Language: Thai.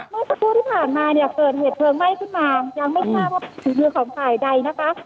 เมื่อกี้ที่ผ่านมาเนี่ยเกิดเหตุเผลอไหม้ขึ้นมายังไม่ทราบว่าผู้ชูมือของใครใดนะคะ